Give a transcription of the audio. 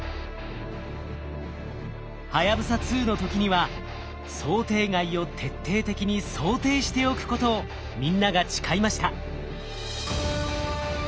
はやぶさ２の時には想定外を徹底的に想定しておくことをみんなが誓いました。